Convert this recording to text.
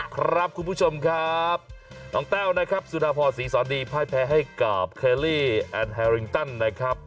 ครับคุณผู้ชมครับน้องแต้วนะครับสุดาพรศรีสอนดีพ่ายแพ้ให้กับเคลลี่แอนแฮริงตันนะครับ